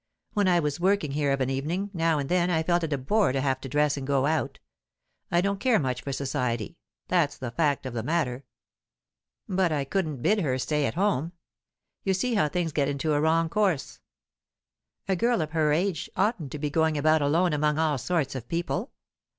When I was working here of an evening, now and then I felt it a bore to have to dress and go out. I don't care much for society, that's the fact of the matter. But I couldn't bid her stay at home. You see how things get into a wrong course. A girl of her age oughtn't to be going about alone among all sorts of people.